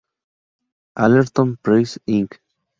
Allerton Press, Inc.